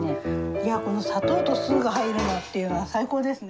いやこの砂糖と酢が入るのっていうのは最高ですね。